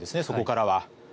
そこからは。